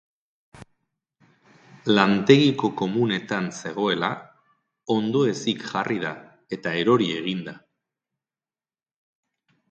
Lantegiko komunetan zegoela, ondoezik jarri da, eta erori egin da.